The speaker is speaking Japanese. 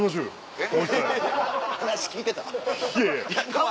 えっ。